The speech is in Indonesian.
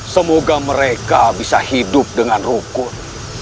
semoga mereka bisa hidup dengan rukun